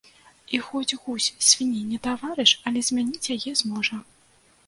І хоць гусь свінні не таварыш, але замяніць яе зможа.